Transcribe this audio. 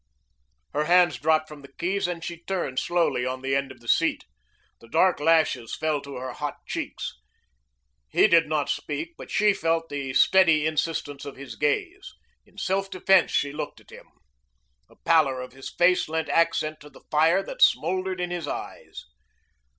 Her hands dropped from the keys and she turned slowly on the end of the seat. The dark lashes fell to her hot cheeks. He did not speak, but she felt the steady insistence of his gaze. In self defense she looked at him. The pallor of his face lent accent to the fire that smouldered in his eyes.